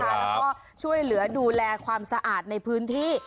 แล้วก็ช่วยเหลือดูแลความสะอาดในพื้นที่